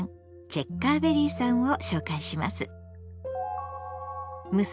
チェッカーベリーさんを紹介します。